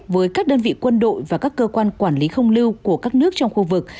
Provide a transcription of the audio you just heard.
với các đơn vị quân đội và các cơ quan quản lý không lưu của các nước trong khu vực